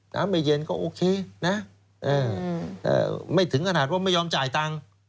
น้ำไม่เย็นก็โอเคนะไม่ถึงขนาดว่าไม่ยอมจ่ายตังค์